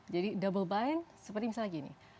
jadi double bind seperti misalnya gini